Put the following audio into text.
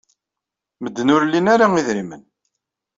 Medden ur lin ara idrimen.